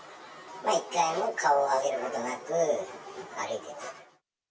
一回も顔を上げることなく、歩いていった。